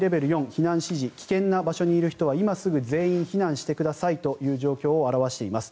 避難指示、危険な場所にいる人は今すぐ全員避難してくださいということを表しています。